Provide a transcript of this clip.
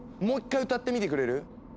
もう一回歌ってみてくれる？